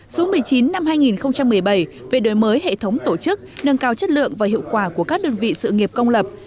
số một mươi chín năm hai nghìn một mươi bảy về đổi mới hệ thống tổ chức nâng cao chất lượng và hiệu quả của các đơn vị sự nghiệp công lập